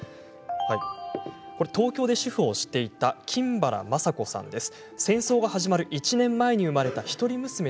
東京で主婦をしていた金原まさ子さんです。